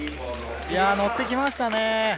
乗ってきましたね。